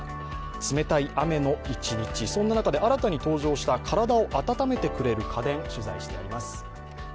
冷たい雨の一日、そんな中で新たに登場した体を温めてくれる家電、取材しています。